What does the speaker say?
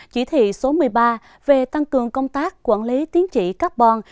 chỉ thị số một mươi ba về tăng cường công tác quản lý tiến trị carbon